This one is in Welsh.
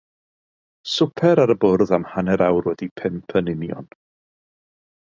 Swper ar y bwrdd am hanner awr wedi pump yn union.